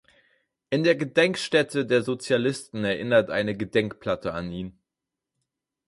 In der Gedenkstätte der Sozialisten erinnert eine Gedenkplatte an ihn.